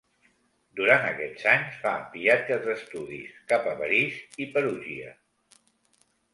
Durant aquests anys, fa viatges d'estudis cap a París i Perugia.